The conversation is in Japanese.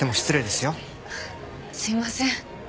すいません。